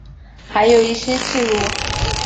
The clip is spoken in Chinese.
还有一些记录